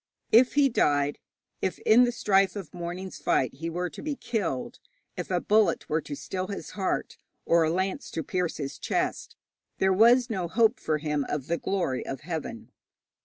If he died, if in the strife of the morning's fight he were to be killed, if a bullet were to still his heart, or a lance to pierce his chest, there was no hope for him of the glory of heaven.